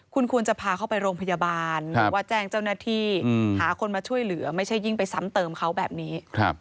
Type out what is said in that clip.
คุณควรจะพาเขาไปโรงพยาบาลหรือว่าแจ้งเจ้าหน้าที่หาคนมาช่วยเหลือไม่ใช่ยิ่งไปซ้ำเติมเขาแบบนี้